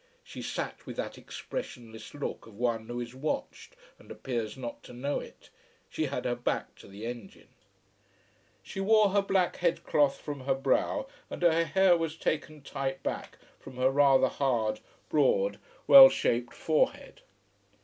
She sat with that expressionless look of one who is watched and who appears not to know it. She had her back to the engine. [Illustration: GAVOI] She wore her black head cloth from her brow and her hair was taken tight back from her rather hard, broad, well shaped forehead.